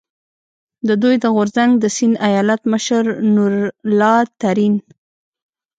د دوی د غورځنګ د سیند ایالت مشر نور الله ترین،